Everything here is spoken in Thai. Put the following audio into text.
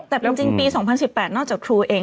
แต่จริงปี๒๐๑๘นอกจากครูเอง